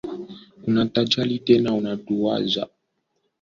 Unatujali tena unatuwaza.